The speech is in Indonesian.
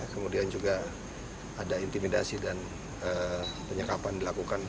kemudian juga ada intimidasi dan penyekapan dilakukan